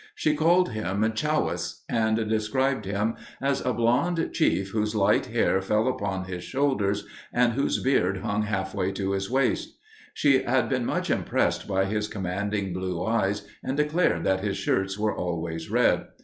She called him "Chowwis," and described him as a blond chief whose light hair fell upon his shoulders and whose beard hung halfway to his waist. She had been much impressed by his commanding blue eyes and declared that his shirts were always red.